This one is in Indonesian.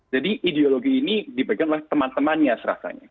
jadi ideologi ini di bagian teman temannya rasanya